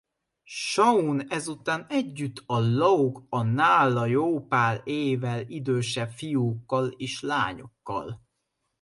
Shaun ezután együtt a lóg a nála jó pár évvel idősebb fiúkkal és lányokkal.